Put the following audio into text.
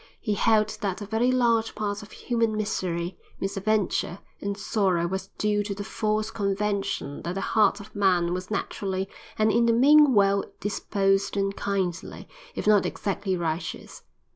He held that a very large part of human misery, misadventure, and sorrow was due to the false convention that the heart of man was naturally and in the main well disposed and kindly, if not exactly righteous.